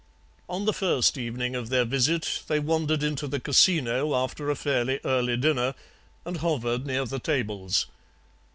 "On the first evening of their visit they wandered into the casino after a fairly early dinner, and hovered near the tables.